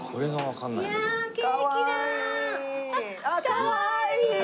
かわいいー！